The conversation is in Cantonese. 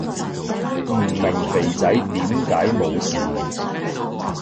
唔明肥仔點解冇事